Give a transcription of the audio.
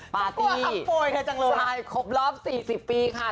ปาร์ตี้สายครบรอบ๔๐ปีค่ะ